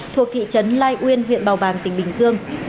thuộc thị trấn lai uyên huyện bào bàng tỉnh bình dương